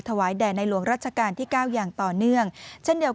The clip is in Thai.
แด่ในหลวงรัชกาลที่เก้าอย่างต่อเนื่องเช่นเดียว